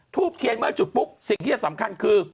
ทูบเทียนเมื่อจุดปุ๊บสิ่งที่จะสำคัญคือ